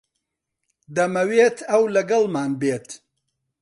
دەمەوێت ئەو لەگەڵمان بێت.